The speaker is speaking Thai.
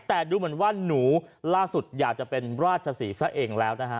แต่ดูเหมือนว่าหนูล่าสุดอยากจะเป็นราชศรีซะเองแล้วนะฮะ